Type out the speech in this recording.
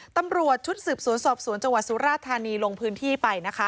ตำรวจชุดสืบสวนสอบสวนจังหวัดสุราธานีลงพื้นที่ไปนะคะ